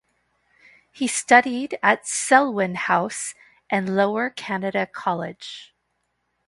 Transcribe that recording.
He studied at Selwyn House and Lower Canada College.